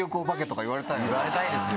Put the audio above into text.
言われたいですよ。